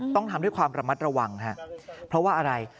ต้องทำด้วยความระมัดระวังครับเพราะว่าอะไร